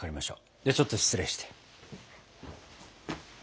ではちょっと失礼して。